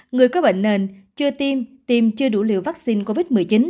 người có bệnh nền chưa tiêm tiêm chưa đủ liều vaccine covid một mươi chín